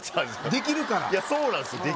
できるからいやそうなんです